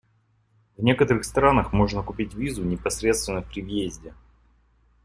В некоторых странах можно купить визу непосредственно при въезде.